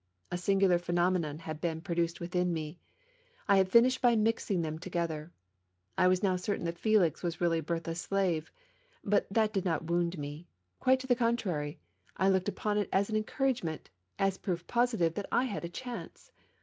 A singular phenomenon had been pro duced within me — I had finished by mixing them to gether. I was now certain that F^lix was really Berthe's slave ; but that did not wound me — quite the contrary ; SALON AND THEATRE. 33 I looked upon it as an encouragement, as proof positive that I had a chance.